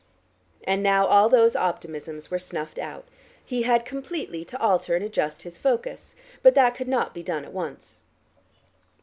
And now all those optimisms were snuffed out. He had completely to alter and adjust his focus, but that could not be done at once.